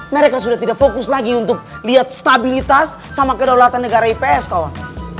mereka sudah tidak fokus lagi untuk lihat stabilitas sama kedaulatan negara ips kawan